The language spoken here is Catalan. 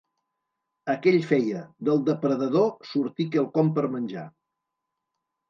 Aquell feia: «Del depredador sortí quelcom per menjar.